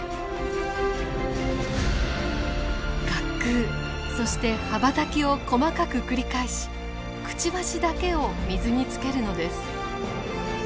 滑空そして羽ばたきを細かく繰り返しくちばしだけを水につけるのです。